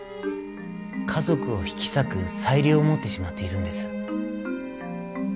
家族を引き裂く裁量を持ってしまっているんです。